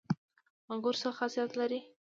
انګور څه خاصیت لري؟